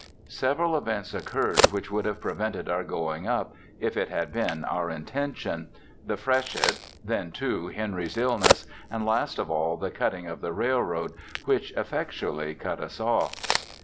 Several events occurred which would have prevented our going up if it had been our intention, the freshet then too Henry's illness and last of all the cutting of the railroad, which effectually cut us off.